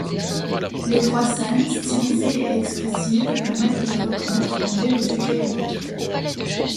Les trois scènes, stylisées et expressives, permettent de reconnaître d'emblée le sujet évoqué.